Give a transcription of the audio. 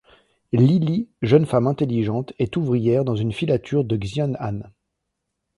Li Li, jeune femme intelligente, est ouvrière dans une filature de Xian'an.